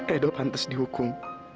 edo pantas dihukum